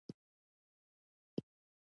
اوړي د افغان کلتور سره تړاو لري.